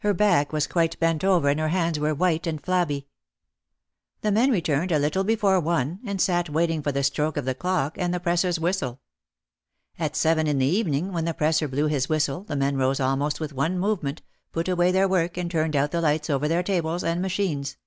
Her back was quite bent over and her hands were white and flabby. The men returned a little before one and sat waiting for the stroke of the clock and the presser's whistle. At seven in the evening when the presser blew his whistle the men rose almost with one movement, put away their work and turned out the lights over their tables and machines.